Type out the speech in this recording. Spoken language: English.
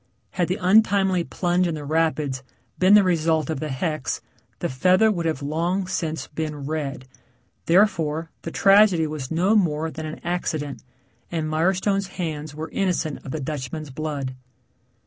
Had the untimely plunge in the rapids been the result of the hex the feather would have long since been red, therefore, the tragedy was no more than an accident and Mirestone's hands were innocent of the Dutchman's blood.